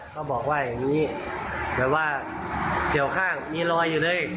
เขาบอกว่าอย่างนี้แบบว่าเฉียวข้างมีรอยอยู่เลย